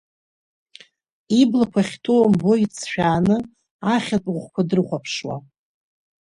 Иблақәа ахьҭоу умбо иҵшәааны, ахьатә ӷәқәа дрыхәаԥшуа.